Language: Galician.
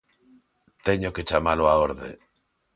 Teño que chamalo á orde.